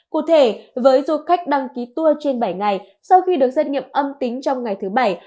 cụ thể với du khách đăng ký tour trên bảy ngày sau khi được xét nghiệm âm tính trong ngày thứ bảy